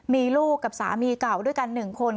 มีลูกกับสามีเก่าด้วยกัน๑คน